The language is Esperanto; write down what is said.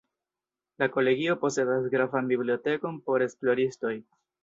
La Kolegio posedas gravan bibliotekon por esploristoj.